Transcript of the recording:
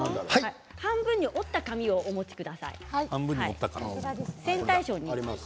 半分に折った紙をお持ちください。